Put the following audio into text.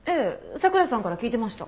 佐倉さんから聞いてました。